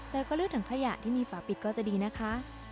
แล้วก็เลือกถังขยะที่มีฝาปิดก็จะดีนะคะ